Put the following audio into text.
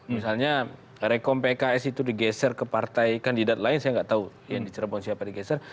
misalnya rekom pks itu digeser ke partai kandidat lain saya gak tau yang dicerobong siapa digeser